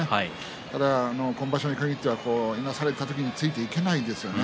ただ今場所に限ってはいなされた時についていけてないですよね。